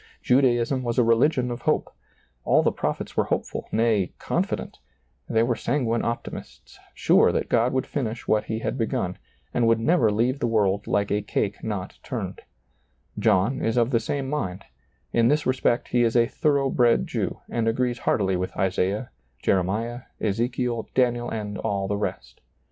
Judaism was a religion of hope ; all the prophets were hopeful, nay, confident ; they were sanguine optimists, sure that God would finish what He had begun, and would never leave the world like a cake not turned, John is of the same mind ; in this respect he is a thorough bred Jew, and agrees heartily with Isaiah, Jeremiah, Ezekiel, Daniel, and all the rest.